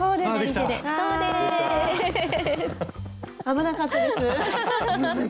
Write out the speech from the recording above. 危なかったです。